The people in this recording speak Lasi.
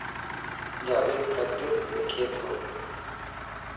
جاويد خط لک تو